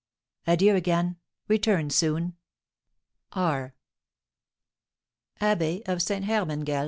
Adieu again; return soon. R. ABBEY OF STE. HERMANGELD.